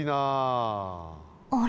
あれ？